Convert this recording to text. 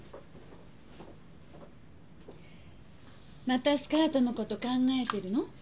またスカートのこと考えてるの？